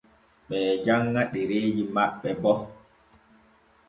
Ɓe janŋa ɗereeji maɓɓe bo.